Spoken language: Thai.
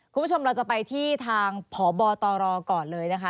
คุณผู้ชมเราจะไปที่ทางพบตรก่อนเลยนะคะ